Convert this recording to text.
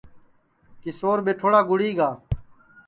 کیشور ٻیٹھوڑا گُڑی گا